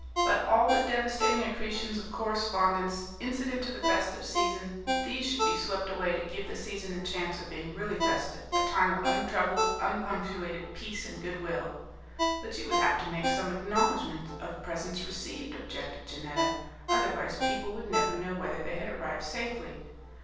But all the devastating accretions of correspondence, incident to the festive season, these should be swept away to give the season a chance of being really festive, a time of untroubled, unpunctuated peace and good will." "But you would have to make some acknowledgment of presents received," objected Janetta; "otherwise people would never know whether they had arrived safely."